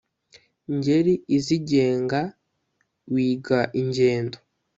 Ngeri izigenga wiga ingendo